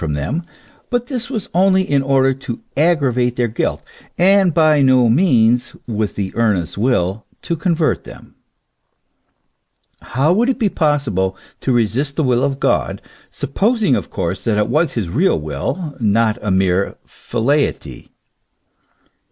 237 from them, but this was only in order to aggravate their guilt, and by no means with the earnest will to convert them. How would it be possible to resist the will of God, supposing of course that it was his real will, not a mere velleity ?